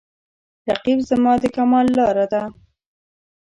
رقیب زما د کمال لاره ده